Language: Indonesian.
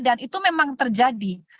dan itu memang terjadi